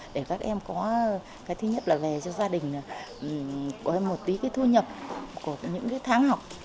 để các em có cái thứ nhất là về cho gia đình có một tí cái thu nhập của những cái tháng học